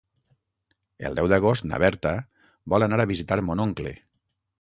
El deu d'agost na Berta vol anar a visitar mon oncle.